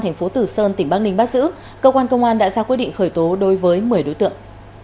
thành phố tử sơn tỉnh bắc ninh bắt giữ cơ quan công an đã ra quyết định khởi tố đối với một mươi đối tượng